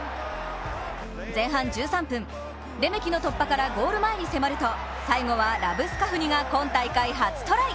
前半１３分、突破からゴール前に迫ると最後はラブスカフニが今回初トライ。